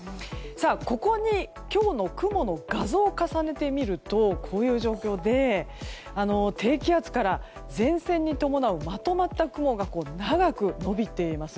ここに今日の雲の画像を重ねてみるとこういう状況で低気圧から前線に伴うまとまった雲が長く延びています。